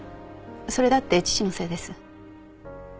それだって父のせいです。